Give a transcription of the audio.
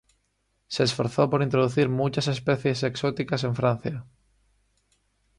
Se esforzó por introducir muchas especies exóticas en Francia.